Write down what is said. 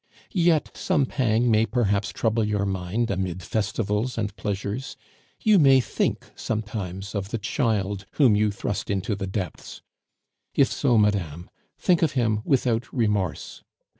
Yet some pang may perhaps trouble your mind amid festivals and pleasures; you may think sometimes of the child whom you thrust into the depths. If so, madame, think of him without remorse.